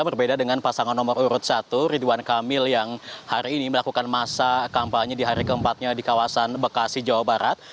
berbeda dengan pasangan nomor urut satu ridwan kamil yang hari ini melakukan masa kampanye di hari keempatnya di kawasan bekasi jawa barat